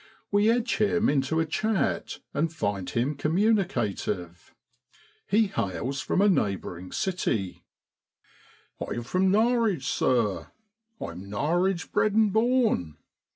We edge him into a chat, and find him communicative. He hails from a neighbouring city: 'I'm from Norwich, sir, I'm Norwich bred and born.